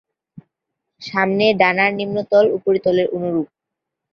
সামনের ডানার নিম্নতল, উপরিতলের অনুরূপ।